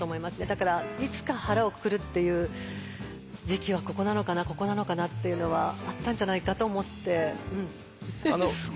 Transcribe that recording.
だからいつか腹をくくるっていう時期はここなのかなここなのかなっていうのはあったんじゃないかと思って。